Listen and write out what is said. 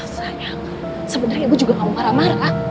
sayang sebenarnya ibu juga nggak mau marah marah